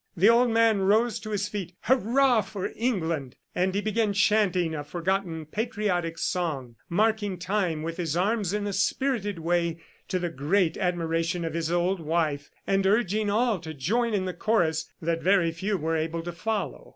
The old man rose to his feet: "Hurrah for England!" and he began chanting a forgotten patriotic song, marking time with his arms in a spirited way, to the great admiration of his old wife, and urging all to join in the chorus that very few were able to follow.